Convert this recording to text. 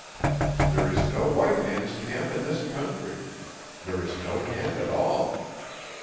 There is no white man's camp in this country. There is no camp at all.